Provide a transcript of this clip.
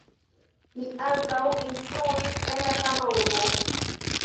Li ankaŭ instruis en la sama urbo.